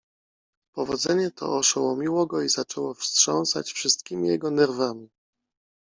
Powodzenie to oszołomiło go i zaczęło wstrząsać wszystkimi jego nerwami.